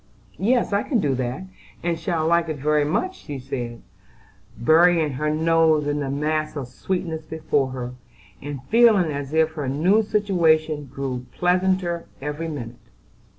"Yes, I can do that, and shall like it very much," she said, burying her nose in the mass of sweetness before her, and feeling as if her new situation grew pleasanter every minute.